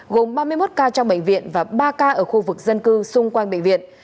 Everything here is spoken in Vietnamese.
gồm ba mươi một ca trong bệnh viện và ba ca ở khu vực dân cư xung quanh bệnh viện